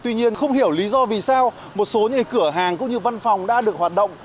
tuy nhiên không hiểu lý do vì sao một số những cửa hàng cũng như văn phòng đã được hoạt động